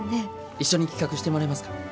一緒に企画してもらえますか？